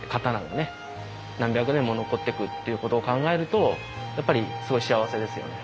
何百年も残ってくっていうことを考えるとやっぱりすごい幸せですね。